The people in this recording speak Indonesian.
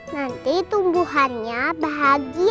nanti tumbuhannya bahagia